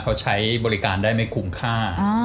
เขาใช้บริการได้ไม่คุ้มค่า